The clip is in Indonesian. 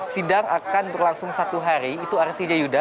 sidang akan berlangsung satu hari itu artinya yuda